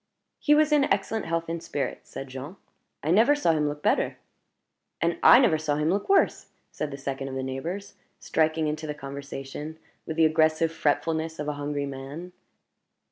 "He was in excellent health and spirits," said Jean. "I never saw him look better " "And I never saw him look worse," said the second of the neighbors, striking into the conversation with the aggressive fretfulness of a hungry man.